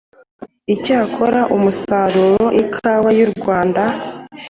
Icyakora umusaruro ikawa y’u Rwanda